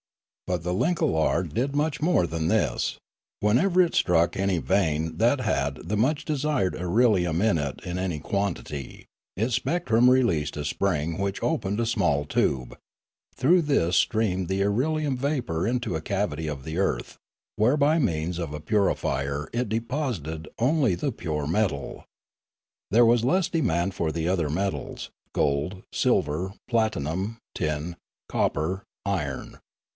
But the linoklar did much more than this; 90 Limanora whenever it struck any vein that had the much desired irelium in it in any quantity, its spectrum released a spring which opened a small tube; through this streamed the irelium vapour into a cavity of the earth, where by means of a purifier it deposited only the pure metal. There was less demand for the other metals, gold, silver, platinum, tin, copper, iron.